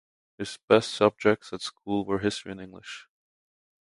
His best subjects at school were History and English.